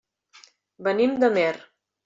Venim d'Amer.